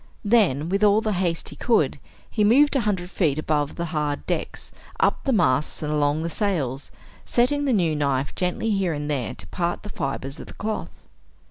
Then, with all the haste he could, he moved a hundred feet above the hard decks, up the masts and along the sails, setting the new knife gently here and there to part the fibers of the cloth.